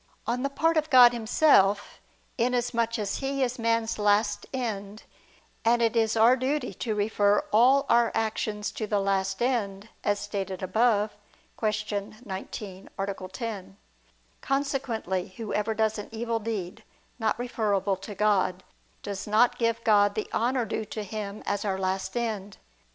On the part of God Himself, inasmuch as He is man's last end; and it is our duty to refer all our actions to the last end, as stated above (Q. 19, A. 10). Consequently, whoever does an evil deed, not referable to God, does not give God the honor due to Him as our last end.